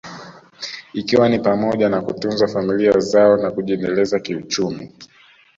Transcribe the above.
ikiwa ni pamoja na kutunza familia zao na kujiendeleza kiuchumi